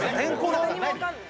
何もわかんない。